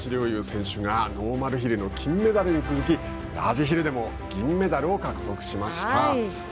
侑選手がノーマルヒルの金メダルに続きラージヒルでも銀メダルを獲得しました。